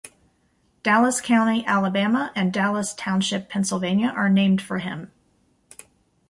Dallas County, Alabama and Dallas Township, Pennsylvania are named for him.